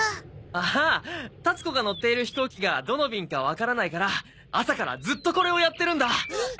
ああ樹子が乗っている飛行機がどの便かわからないから朝からずっとこれをやってるんだ！